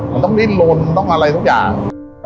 มันต้องได้ล้นต้องเอาอะไรทุกอย่าง